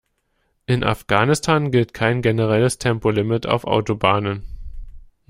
In Afghanistan gilt kein generelles Tempolimit auf Autobahnen.